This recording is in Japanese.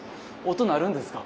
音鳴るんですか。